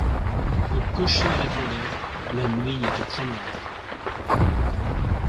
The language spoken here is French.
Le cocher répondait: La nuit était très noire.